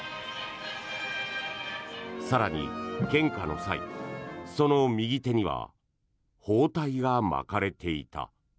更に、献花の際、その右手には包帯が巻かれていた。